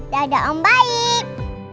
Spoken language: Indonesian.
dadah om baik